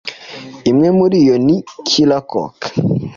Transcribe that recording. Imwe muri yo ni " killer coke "